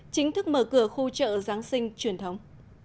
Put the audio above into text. chính thức mở cửa khu chợ giáng sinh truyền thống